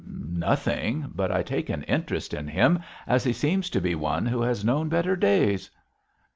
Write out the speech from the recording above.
'Nothing; but I take an interest in him as he seems to be one who has known better days.'